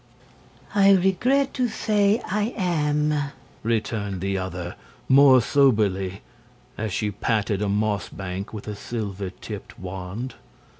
"I regret to say I am," returned the other, more soberly, as she patted a moss bank with a silver tipped wand.